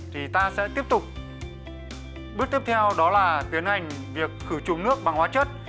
thì ta sẽ tiếp tục bước tiếp theo đó là tiến hành việc khử trùng nước bằng hóa chất